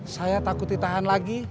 saya takut ditahan lagi